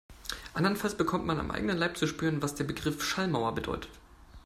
Andernfalls bekommt man am eigenen Leib zu spüren, was der Begriff Schallmauer bedeutet.